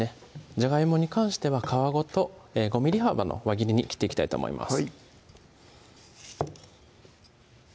じゃがいもに関しては皮ごと５ｍｍ幅の輪切りに切っていきたいと思います